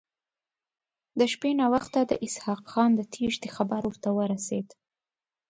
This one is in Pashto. د شپې ناوخته د اسحق خان د تېښتې خبر ورته ورسېد.